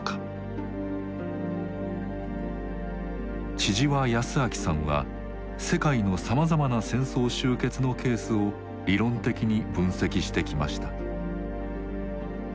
千々和泰明さんは世界のさまざまな戦争終結のケースを理論的に分析してきました。